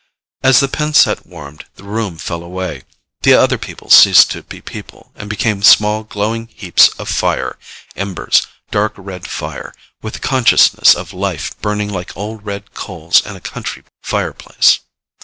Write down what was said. As the pin set warmed, the room fell away. The other people ceased to be people and became small glowing heaps of fire, embers, dark red fire, with the consciousness of life burning like old red coals in a country fireplace.